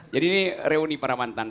jadi ini reuni para mantan